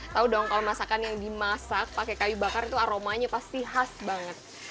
tau dong kalau masakan yang dimasak pakai kayu bakar itu aromanya pasti khas banget